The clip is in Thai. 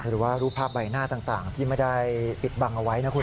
หรือว่ารูปภาพใบหน้าต่างที่ไม่ได้ปิดบังเอาไว้นะคุณ